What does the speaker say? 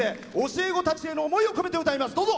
教え子たちへの思いを込めて歌います。